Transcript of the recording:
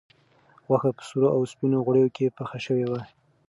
غوښه په سرو او سپینو غوړیو کې پخه شوې وه.